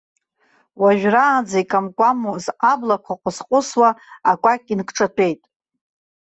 Уажәраанӡа икамкамуаз аблақәа ҟәысҟәысуа, акәакь инкҿатәеит.